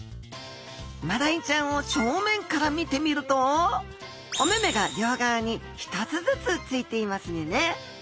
マダイちゃんを正面から見てみるとお目々が両側に１つずつついていますよね。